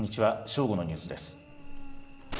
正午のニュースです。